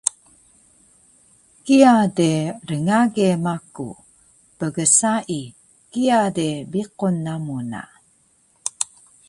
Kiya de rngage maku. Pgsai, kiya de biqun namu na